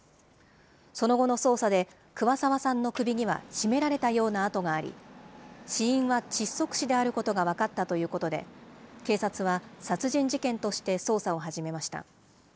その後の捜査で、桑沢さんの首には絞められたような痕があり、死因は窒息死であることが分かったということで、警察は殺人事件として捜査を始めました。